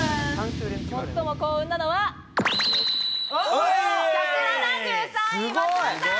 最も幸運なのは１７３位、松丸さん。